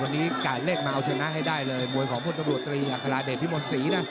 วันนี้ก่ายเลขมาเอาชนะให้ได้เลยมวยของพวกตบวท๓อัคราเดชพิมนศ์ศรีนะ